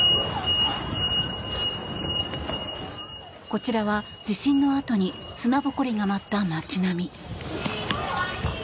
こちらは地震のあとに砂ぼこりが舞った街並み。